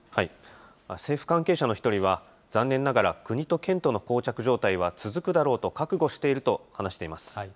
政府関係者の一人は、残念ながら国と県とのこう着状態は続くだろうと覚悟していると話しています。